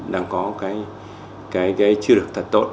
đang có cái chưa được thật tội